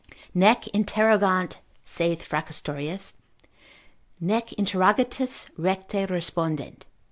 Nec interrogant (saith Fracastorius) nec interrogatis recte respondent.